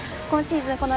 今シーズン